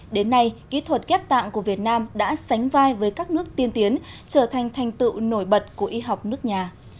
đến nay kỹ thuật ghép tạng của việt nam đã sánh vai với các nước tiên tiến trở thành thành tựu nổi bật của y học nước nhà